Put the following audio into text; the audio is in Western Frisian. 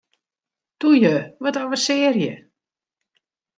Toe ju, wat avensearje!